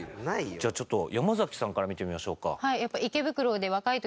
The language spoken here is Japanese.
じゃあちょっと山崎さんから見てみましょうか。